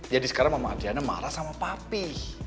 jadi sekarang mama adriana marah sama papa